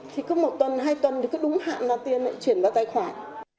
thì cứ một tuần hai tuần thì cứ đúng hạn là tiền lại chuyển vào tài khoản